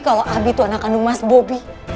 kalau abi itu anak anak mas bobi